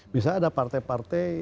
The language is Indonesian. misalnya ada partai partai